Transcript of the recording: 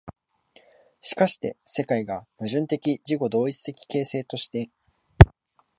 しかして世界が矛盾的自己同一的形成として、